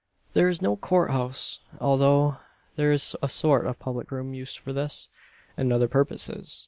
There is no court house, although there is a sort of public room used for this and other purposes.